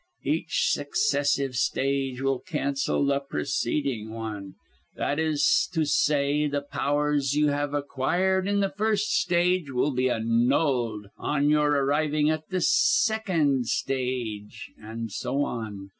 "Each successive stage will cancel the preceding one that is to say, the powers you have acquired in the first stage will be annulled on your arriving at the second stage, and so on.